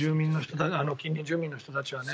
近隣住民の人たちはね。